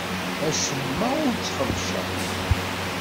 Acemma ur t-xebbceɣ.